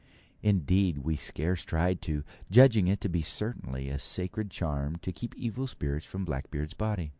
Indeed, we scarce tried to, judging it to be certainly a sacred charm to keep evil spirits from Blackbeard's body.